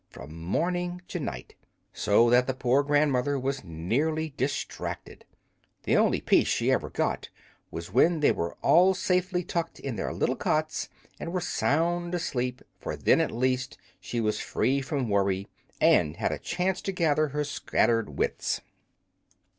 from morning to night, so that the poor grandmother was nearly distracted. The only peace she ever got was when they were all safely tucked in their little cots and were sound asleep; for then, at least, she was free from worry and had a chance to gather her scattered wits.